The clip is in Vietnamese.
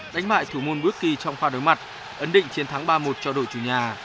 đánh bại thủ môn bước kỳ trong khoa đối mặt ấn định chiến thắng ba một cho đội chủ nhà